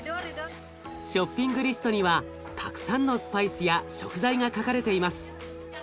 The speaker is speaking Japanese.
ショッピングリストにはたくさんのスパイスや食材が書かれています。